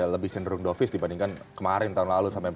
lebih cenderung dovis dibandingkan kemarin tahun lalu sampai